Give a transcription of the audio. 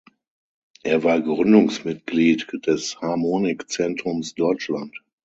Er war Gründungsmitglied des Harmonik-Zentrums Deutschland.